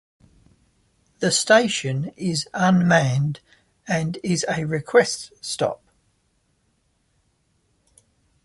The station is unmanned and is a request stop.